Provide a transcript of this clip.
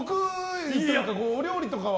お料理とかは？